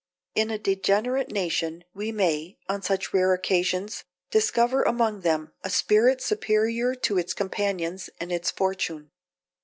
In a degenerate nation, we may, on such rare occasions, discover among them a spirit superior to its companions and its fortune.